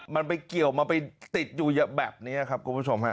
มันไปเกี่ยวมันไปติดอยู่แบบนี้ครับคุณผู้ชมฮะ